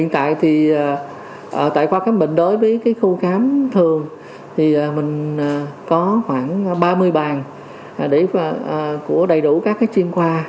tại khoa khám bệnh đối với khu khám thường mình có khoảng ba mươi bàn đầy đủ các chiên khoa